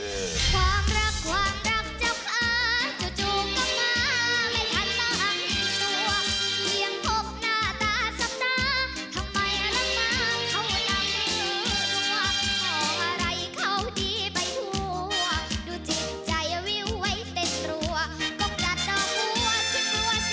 ถอยเวลาเข้ามาหยิกให้